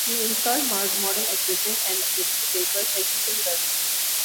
He installed modern equipment and updated the paper's technical services.